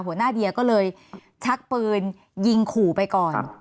หัวหน้าเดียก็เลยชักปืนยิงขู่ไปก่อน